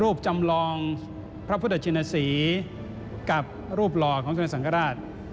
จำลองพระพุทธชินศรีกับรูปหล่อของสมเด็จสังกราช